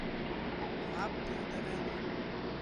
Мап, Пиндарела!